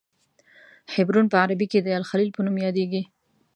حبرون په عربي کې د الخلیل په نوم یادیږي.